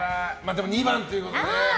でも、２番ということで。